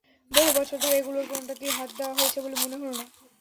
বহু বছর ধরে এগুলোর কোনোটাতেই হাত দেওয়া হয়েছে বলে মনে হলো না।